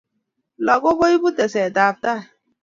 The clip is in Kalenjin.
Lakok kuipu teset ab tai